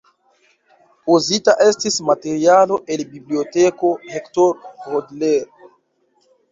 Uzita estis materialo el Biblioteko Hector Hodler.